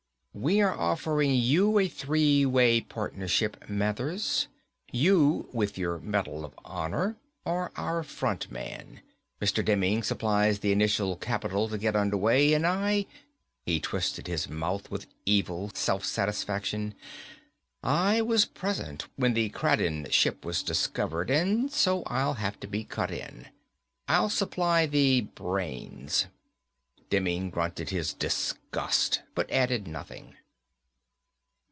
"We are offering you a three way partnership, Mathers. You, with your Medal of Honor, are our front man. Mr. Demming supplies the initial capital to get underway. And I ..." He twisted his mouth with evil self satisfaction. "I was present when the Kraden ship was discovered, so I'll have to be cut in. I'll supply the brains." Demming grunted his disgust, but added nothing.